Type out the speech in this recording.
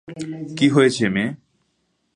কী হয়েছে, মেয়ে?